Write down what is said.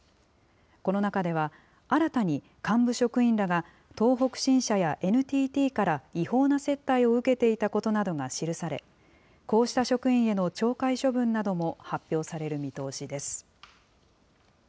この中では、新たに幹部職員らが、東北新社やＮＴＴから違法な接待を受けていたことなどが記され、こうした職員への懲戒処分なども発表される見通しです。